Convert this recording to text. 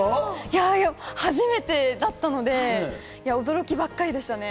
初めてだったので驚きばっかりでしたね。